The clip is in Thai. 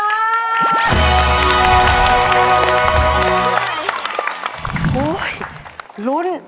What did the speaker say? ทีมสามแนวแจ๋วจริงนะครับก็ได้รับทุนน้ำใจเพื่อบ้านเกิดกลับไปเช่นกันสามหมื่นบาท